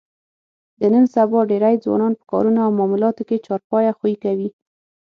د نن سبا ډېری ځوانان په کارونو او معاملاتو کې چارپایه خوی کوي.